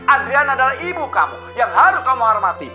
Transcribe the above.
adrian adalah ibu kamu yang harus kamu hormati